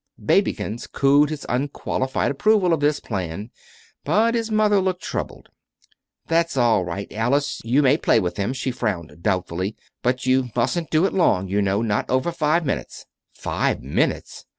"Babykins" cooed his unqualified approval of this plan; but his mother looked troubled. "That's all right, Alice. You may play with him," she frowned doubtfully; "but you mustn't do it long, you know not over five minutes." "Five minutes!